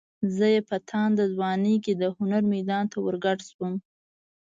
زه چې په تانده ځوانۍ کې د هنر میدان ته ورګډ شوم.